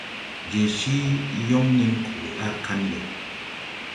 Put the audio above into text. Je cii yoŋ nen koo dar kaŋ ɓɛ.